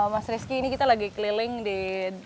mas rizky ini kita lagi keliling di